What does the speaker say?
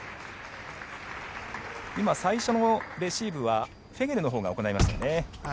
今、最初のレシーブはフェゲルのほうが行いましたね。